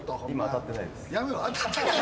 当たってない。